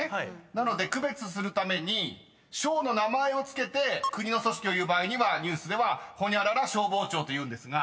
［なので区別するために省の名前を付けて国の組織を言う場合にはニュースではホニャララ消防庁と言うんですが］